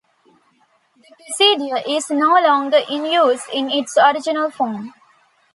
The procedure is no longer in use in its original form.